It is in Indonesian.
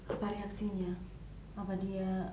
apa reaksinya apa dia